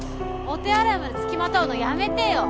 お手洗いまで付きまとうのやめてよ！